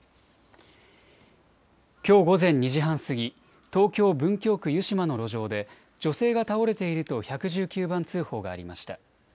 きょう午前２時半過ぎ東京文京区湯島の路上で女性が倒れていると１１９番通報がありました。